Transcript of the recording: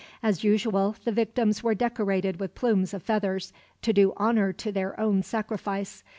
As usual, the victims were decorated with plumes of feathers, to do honor to their own sacrifice.